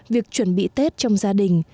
việc chuẩn bị tết trong gia đình